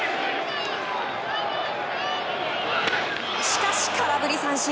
しかし、空振り三振。